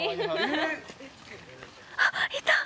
あっいた。